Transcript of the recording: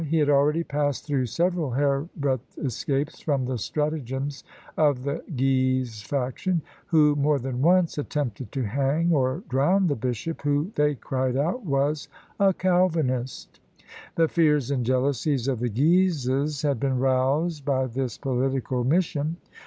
He had already passed through several hair breadth escapes from the stratagems of the Guise faction, who more than once attempted to hang or drown the bishop, who, they cried out, was a Calvinist; the fears and jealousies of the Guises had been roused by this political mission.